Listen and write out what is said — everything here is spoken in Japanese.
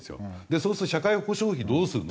そうすると社会保障費どうするの？